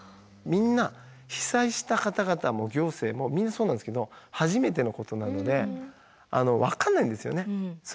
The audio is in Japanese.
みんな被災した方々も行政もみんなそうなんですけど初めてのことなのでわかんないんですよね。